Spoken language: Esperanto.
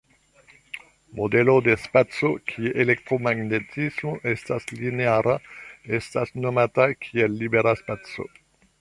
Modelo de spaco kie elektromagnetismo estas lineara estas nomata kiel libera spaco.